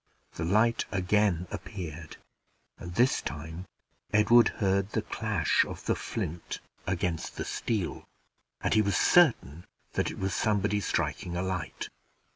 The light again appeared, and this time Edward heard the clash of the flint against the steel, and he was quite certain that it was somebody striking a light.